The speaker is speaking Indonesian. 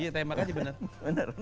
iya tembak aja bener